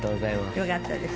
よかったです。